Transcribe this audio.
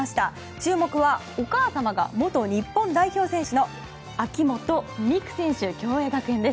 注目はお母さまが元日本代表選手の秋本美空選手共栄学園です。